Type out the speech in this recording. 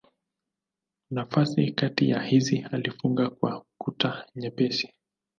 Nafasi kati ya hizi alifunga kwa kuta nyepesi.